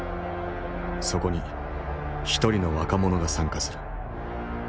そこに一人の若者が参加する。